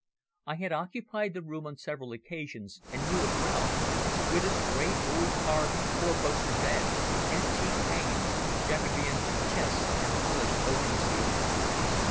I had occupied the room on several occasions, and knew it well, with its great old carved four poster bed, antique hangings, Jacobean chests and polished oaken ceiling.